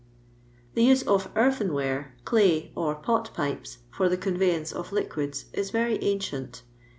The use of earthenware, clay, or pot pipes Cor the conveyance of liquids ii very ancient.